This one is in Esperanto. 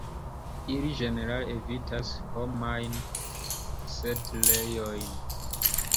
Ili ĝenerale evitas homajn setlejojn.